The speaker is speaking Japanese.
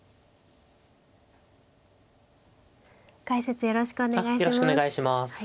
解説よろしくお願いします。